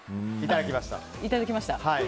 いただきました。